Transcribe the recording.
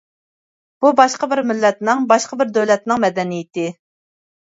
بۇ باشقا بىر مىللەتنىڭ، باشقا بىر دۆلەتنىڭ مەدەنىيىتى.